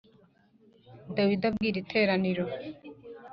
Dawidi abwira iteraniro